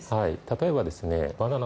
例えばですね。